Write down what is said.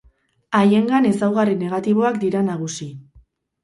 Haiengan ezaugarri negatiboak dira nagusi.